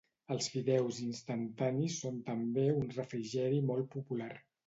Els fideus instantanis són també un refrigeri molt popular.